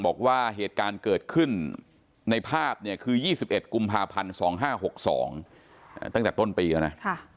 บอกว่าเหตุการณ์เกิดขึ้นในภาพเนี่ยคือ๒๑กุมภาพันธ์๒๕๖๒ตั้งแต่ต้นปีแล้วนะ